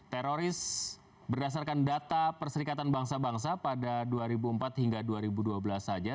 teroris berdasarkan data perserikatan bangsa bangsa pada dua ribu empat hingga dua ribu dua belas saja